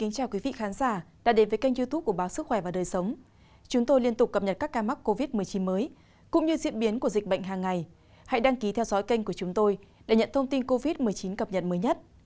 các bạn hãy đăng ký kênh của chúng tôi để nhận thông tin cập nhật mới nhất